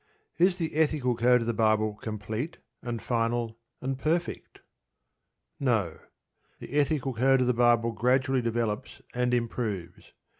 Is the ethical code of the Bible complete, and final, and perfect? No. The ethical code of the Bible gradually develops and improves.